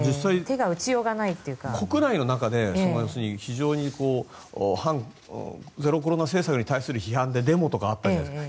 国内の中で非常にゼロコロナ対策に対する批判でデモとかあったじゃないですか。